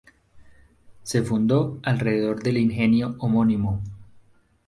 Se fundó alrededor del ingenio homónimo.